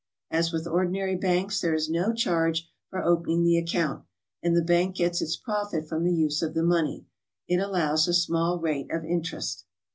As with ordinary banks there is no charge for opening the account, and the bank gets its profit from the use of the money; it allows a small rate of interest.